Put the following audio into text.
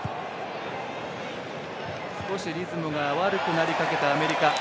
少しリズムが悪くなりかけたアメリカ。